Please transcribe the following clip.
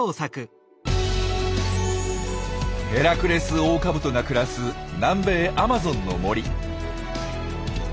ヘラクレスオオカブトが暮らす南米アマゾンの森。